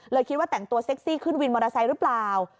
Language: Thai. คิดว่าแต่งตัวเซ็กซี่ขึ้นวินมอเตอร์ไซค์หรือเปล่า